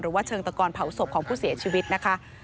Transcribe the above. ว่าเชิงตะกอนเผาศพของผู้เสียชีวิตนะคะ